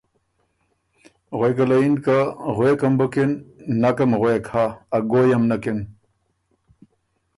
غوېکه له یِن که ”غوېکم بُکِن، نکم غوېک هۀ، ا ګویم نکِن“